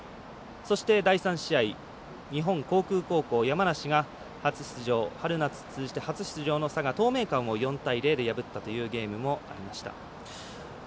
そして、第３試合日本航空高校、山梨が春夏通じて初出場の佐賀、東明館を４対０で破ったというゲームがありました。